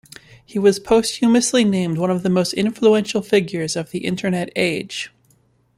He was posthumously named one of the most influential figures of the Internet age.